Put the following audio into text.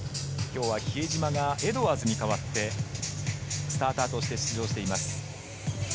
今日は比江島がエドワーズに代わって、スターターとして出場しています。